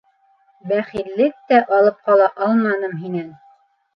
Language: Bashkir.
Бәхиллек тә алып ҡала алманым һинән...